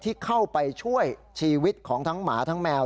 ที่เข้าไปช่วยชีวิตของทั้งหมาทั้งแมว